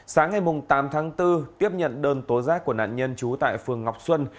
sáng ngày tám tháng bốn tiếp nhận đơn tố giác của nạn nhân trú tại phường ngọc xuân